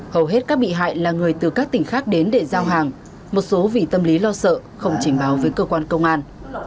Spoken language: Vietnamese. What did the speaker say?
hầu hết các bị hại là người từ các tỉnh khác đến để giao hàng một số vì tâm lý lo sợ không trình báo với cơ quan công an